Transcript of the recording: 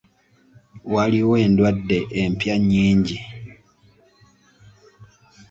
Waliwo endwadde empya nnyingi.